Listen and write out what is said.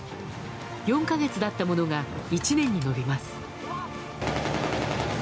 ４か月だったものが１年に延びます。